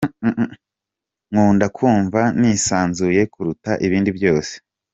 , nkunda kumva nisanzuye kuruta ibindi byose.